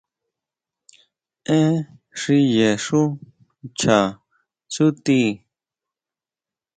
Én xiye xu ncha tsúti.